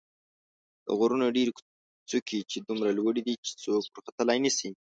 د غرونو ډېرې څوکې یې دومره لوړې دي چې څوک ورختلای نه شي.